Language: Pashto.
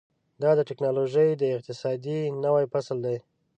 دا د ټیکنالوژۍ د اقتصاد نوی فصل دی.